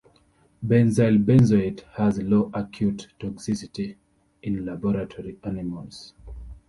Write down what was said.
Benzyl benzoate has low acute toxicity in laboratory animals.